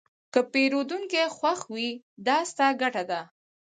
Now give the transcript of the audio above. که پیرودونکی خوښ وي، دا ستا ګټه ده.